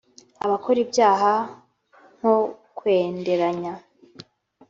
Abakora ibyaha nko kwenderanya